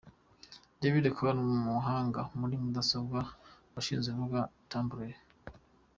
David Karp umuhanga muri mudasobwa washinze urubuga tumblr.